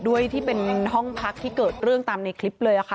ที่เป็นห้องพักที่เกิดเรื่องตามในคลิปเลยค่ะ